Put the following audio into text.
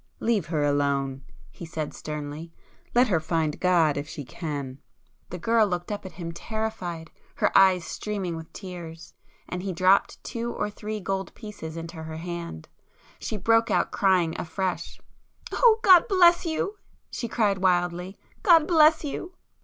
"Leave her alone!" he said sternly—"Let her find God if she can!" The girl looked up at him terrified, her eyes streaming with [p 180] tears, and he dropped two or three gold pieces into her hand. She broke out crying afresh. "Oh God bless you!" she cried wildly—"God bless you!"